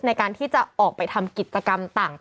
ในการที่จะออกไปทำกิจกรรมต่าง